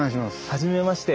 はじめまして。